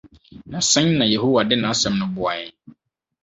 na sɛn na Yehowa de n’Asɛm no boa yɛn?